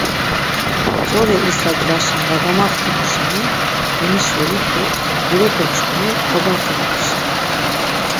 Tzori isa gzaşen var gamaxtimu şeni memişvelit do gurepe-çkuni ǩobate opşi.